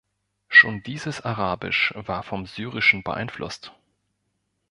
Schon dieses Arabisch war vom Syrischen beeinflusst.